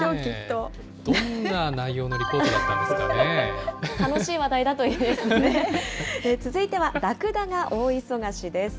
どんな内容のリポートだった楽しい話題だといいですね。